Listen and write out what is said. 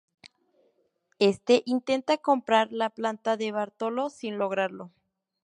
Éste intenta comprar la planta de Bartolo, sin lograrlo.